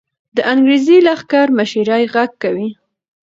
د انګریزي لښکر مشري غږ کوي.